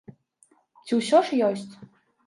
Ці ўсё ж ёсць?